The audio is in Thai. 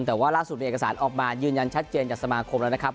แต่ว่าล่าสุดมีเอกสารออกมายืนยันชัดเจนจากสมาคมแล้วนะครับ